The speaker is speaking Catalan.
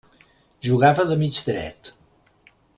Jugava de mig dret.